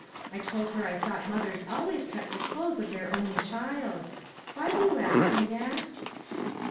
I told her I thought mothers always kept the clothes of their only child. Why do you ask me that?"